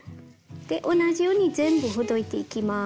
で同じように全部ほどいていきます。